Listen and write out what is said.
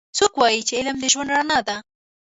څوک وایي چې علم د ژوند رڼا ده